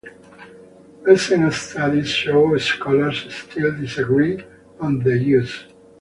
Recent studies show scholars still disagree on the issue.